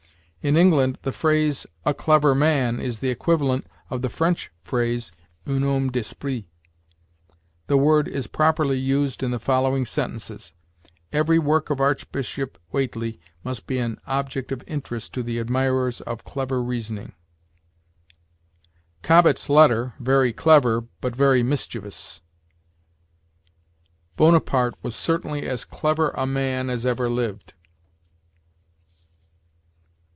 In England the phrase "a clever man" is the equivalent of the French phrase, "un homme d'esprit." The word is properly used in the following sentences: "Every work of Archbishop Whately must be an object of interest to the admirers of clever reasoning"; "Cobbett's letter ... very clever, but very mischievous"; "Bonaparte was certainly as clever a man as ever lived."